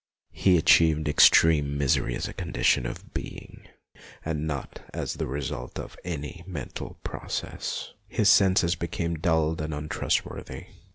He achieved extreme misery as a condition of being and not as the result of any mental process. His senses became dulled and untrustworthy.